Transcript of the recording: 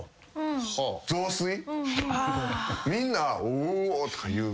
みんな「お」とか言う。